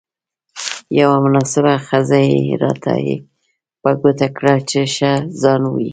یوه مناسبه خزه يې راته په ګوته کړه، چې ښه ځای وو.